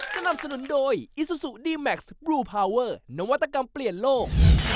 สนับสนุนโดยอิซูซูดีแม็กซ์บลูพาวเวอร์นวัตกรรมเปลี่ยนโลก